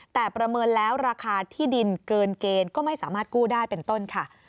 แต่ประเมินแล้วราคาที่ดินเกินเกณฑ์ก็ไม่สามารถกู้ได้เป็นต้นค่ะ